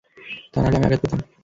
তা নাহলে আমি আঘাত পেতাম।